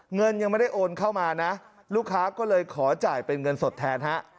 เงินยังไม่ได้โอนเข้ามานะลูกค้าก็เลยขอจ่ายเป็นเงินสดแทนฮะ